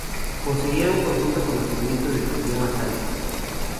Poseía un profundo conocimiento del idioma sánscrito.